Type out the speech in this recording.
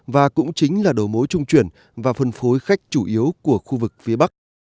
và cũng chính là đầu mối trung chuyển và phân phối khách chủ yếu của khu vực phía bắc